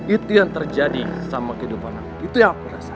itu yang terjadi sama kehidupan aku itu yang aku rasa